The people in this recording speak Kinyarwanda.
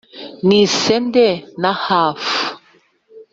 n'isende na hafu,